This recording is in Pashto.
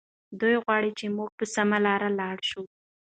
دی غواړي چې موږ په سمه لاره لاړ شو.